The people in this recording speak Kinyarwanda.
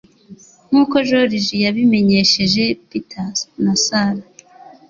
Nkuko Joriji yabimenyesheje Peter na Sara